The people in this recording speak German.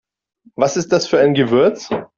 Was ist das für ein Gewürz?